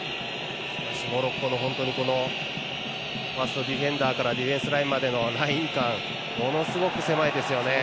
モロッコのディフェンダーからディフェンスラインまでのライン間ものすごく狭いですよね。